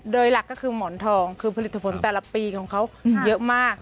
โดยหลักก็คือหมอนทองคือผลิตผลแต่ละปีของเขาเยอะมาก